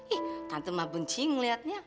ih tante mah bencing liatnya